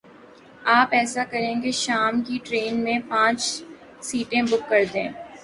آپ ایسا کریں کے شام کی ٹرین میں پانچھ سیٹیں بک کر دیں۔